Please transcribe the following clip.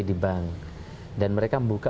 di bank dan mereka membuka